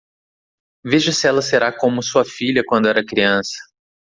Veja se ela será como sua filha quando era criança.